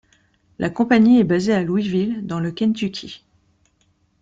La compagnie est basée à Louisville dans le Kentucky.